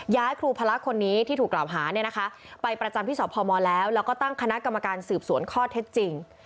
ครูพละคนนี้ที่ถูกกล่าวหาเนี่ยนะคะไปประจำที่สพมแล้วแล้วก็ตั้งคณะกรรมการสืบสวนข้อเท็จจริง